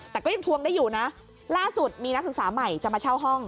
แต่ก็ยังทวงได้อยู่นะล่าสุดมีนักศึกษาใหม่จะมาเช่าห้อง